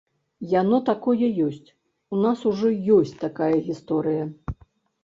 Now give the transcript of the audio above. Яно такое ёсць, у нас ужо ёсць такая гісторыя.